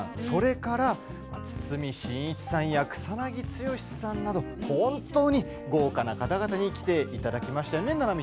それから、堤真一さんや草なぎ剛さんなど豪華な方々に来ていただきました。